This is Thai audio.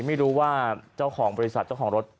ไม่รู้ว่าเจ้าของบริษัทเจ้าของรถ